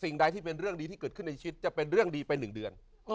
สิ่งใดที่เป็นเรื่องดีที่เกิดขึ้นในชีวิตจะเป็นเรื่องดีไป๑เดือน